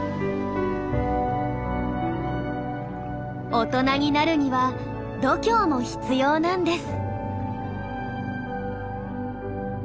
大人になるには度胸も必要なんです。